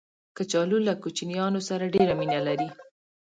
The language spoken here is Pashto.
کچالو له کوچنیانو سره ډېر مینه لري